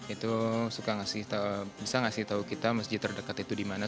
itu bisa ngasih tahu kita masjid terdekat itu di mana